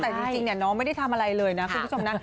แต่จริงน้องไม่ได้ทำอะไรเลยนะคุณผู้ชมนะ